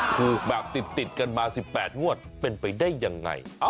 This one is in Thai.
ถูกแบบติดกันมา๑๘งวดเป็นไปได้ยังไง